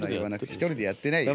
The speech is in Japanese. １人でやってないよ。